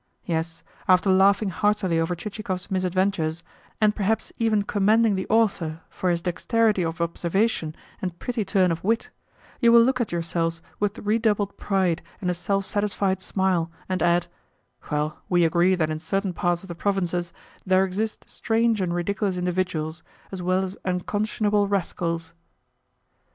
Yes, after laughing heartily over Chichikov's misadventures, and perhaps even commending the author for his dexterity of observation and pretty turn of wit, you will look at yourselves with redoubled pride and a self satisfied smile, and add: "Well, we agree that in certain parts of the provinces there exists strange and ridiculous individuals, as well as unconscionable rascals."